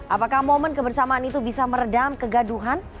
apakah momen kebersamaan itu bisa meredam kegaduhan